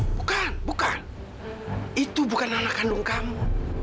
bukan bukan itu bukan anak kandung kamu